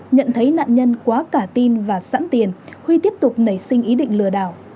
nhận thấy nạn nhân quá cả tin và sẵn tiền huy tiếp tục nảy sinh ý định lừa đảo